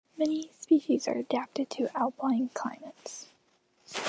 Many species are adapted to alpine climates.